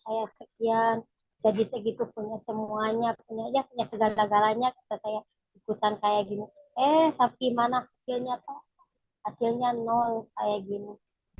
semuanya punya segala galanya saya ikutan kayak gini eh tapi mana hasilnya hasilnya nol kayak gini